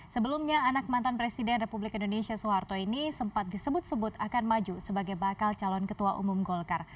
sebelumnya anak mantan presiden republik indonesia soeharto ini sempat disebut sebut akan maju sebagai bakal calon ketua umum golkar